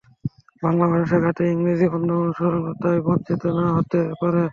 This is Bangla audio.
বাংলা ভাষা শেখাতে ইংরেজির অন্ধ অনুকরণ তাই বাঞ্ছিত না-ও হতে পারে।